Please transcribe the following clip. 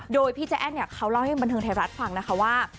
โดยพี่ใจแอ้นเนี่ยเขาเล่าให้บันเทิงไทยรัฐฟังนะคะว่า